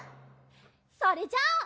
それじゃあ。